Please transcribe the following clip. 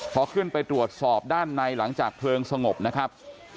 พอขึ้นไปตรวจสอบด้านในหลังจากเพลิงสงบนะครับ